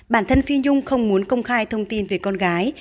bản thân phi nhung không muốn công khai thông tin về con gái